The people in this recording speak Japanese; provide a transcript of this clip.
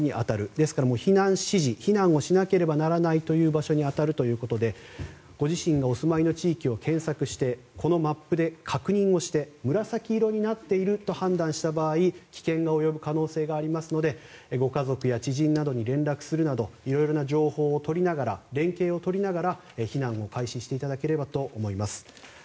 ですから、避難指示避難をしなければならない場所に当たるということで、ご自身がお住まいの地域を検索してこのマップで確認をして紫色になっていると判断した場合危険が及ぶ可能性がありますのでご家族や知人などに連絡するなどいろいろな情報をとりながら連携をとりながら避難を開始していただければと思います。